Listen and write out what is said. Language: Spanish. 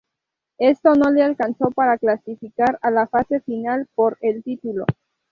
Esto no le alcanzó para clasificar a la fase final por el título.